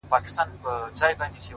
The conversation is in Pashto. ستا خو صرف خندا غواړم چي تا غواړم،